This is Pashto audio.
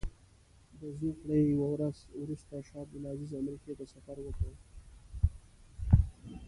د زوکړې یوه ورځ وروسته شاه عبدالعزیز امریکې ته سفر وکړ.